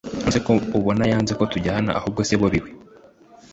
nonese ko ubona yanze ko tujyana, ahubwo se bobi we